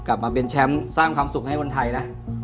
กลับมาเป็นแชมป์สร้างความสุขให้คนไทยนะ